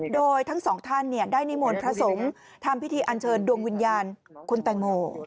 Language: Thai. โดยทั้งสองท่านได้นิมนต์พระสงฆ์ทำพิธีอันเชิญดวงวิญญาณคุณแตงโม